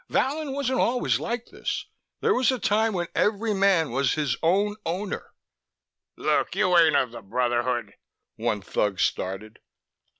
Vallon wasn't always like this. There was a time when every man was his own Owner " "Look, you ain't of the Brotherhood " one thug started.